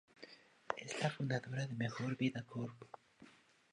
Es la fundadora de Mejor Vida Corp.